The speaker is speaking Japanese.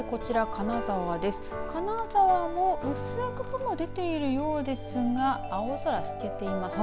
金沢も、うっすら雲が出ているようですが青空透けています。